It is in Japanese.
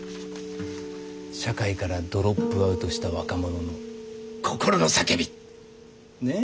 社会からドロップアウトした若者の心の叫び！ね？